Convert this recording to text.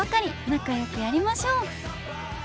仲よくやりましょ。